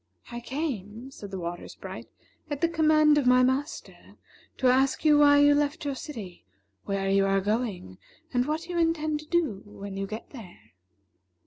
"I came," said the Water Sprite, "at the command of my master, to ask you why you left your city, where you are going, and what you intend to do when you get there."